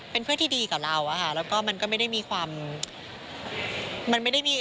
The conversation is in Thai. เป็นเพื่อนที่ดีกับเราอะค่ะแล้วก็มันก็ไม่ได้มีความมันไม่ได้มี